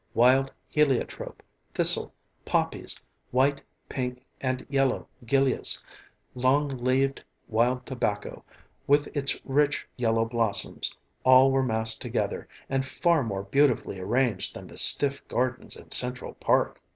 Wild heliotrope, thistle, poppies, white, pink and yellow gillias, long leaved wild tobacco, with its rich yellow blossoms, all were massed together and far more beautifully arranged than the stiff gardens in Central Park.